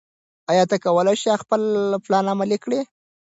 ایا ته کولای شې خپل پلان عملي کړې؟